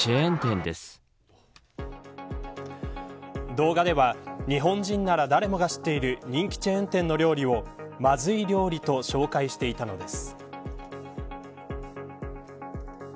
動画では日本人なら誰もが知っている人気チェーン店の料理をまずい料理と紹介していたのです。